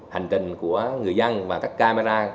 hành trình của người dân và các camera